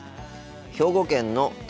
兵庫県のた